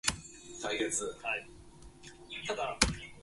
自分はその不安のために夜々、転輾し、呻吟し、発狂しかけた事さえあります